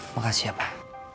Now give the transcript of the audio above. makasih ya pak